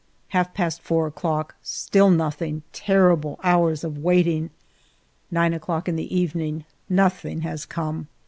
Half past four d clock. Still nothing. Terrible hours of waiting. 9 d clock in the evening. Nothing has come.